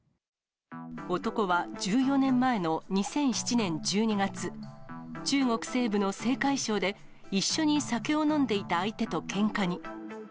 男は１４年前の２００７年１２月、中国西部の青海省で、一緒に酒を飲んでいた相手とけんかに。